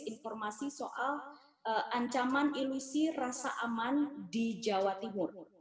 informasi soal ancaman ilusi rasa aman di jawa timur